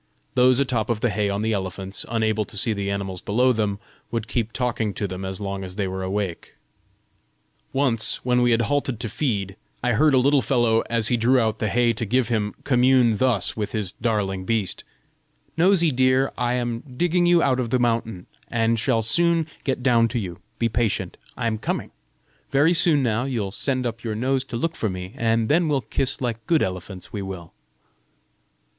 Those atop of the hay on the elephants, unable to see the animals below them, would keep talking to them as long as they were awake. Once, when we had halted to feed, I heard a little fellow, as he drew out the hay to give him, commune thus with his "darling beast": "Nosy dear, I am digging you out of the mountain, and shall soon get down to you: be patient; I'm a coming! Very soon now you'll send up your nose to look for me, and then we'll kiss like good elephants, we will!"